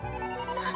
あっ。